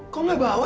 kok gak bawa